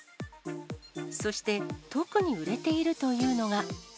そして、特に売れているというのが。